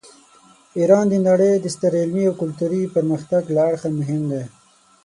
ایران د نړۍ د ستر علمي او کلتوري پرمختګ له اړخه مهم دی.